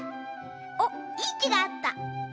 おっいいきがあった。